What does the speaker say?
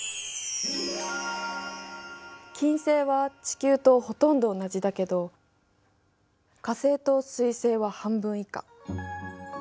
金星は地球とほとんど同じだけど火星と水星は半分以下。